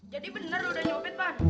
jadi bener udah nyopet pan